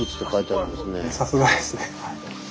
さすがですね。